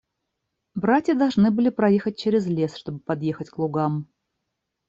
Братья должны были проехать через лес, чтобы подъехать к лугам.